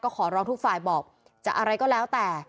ขอร้องทุกฝ่ายบอกจะอะไรก็แล้วแต่